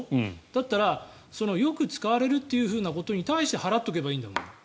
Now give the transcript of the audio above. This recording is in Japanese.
だったらよく使われるということに対して払っておけばいいんだもん。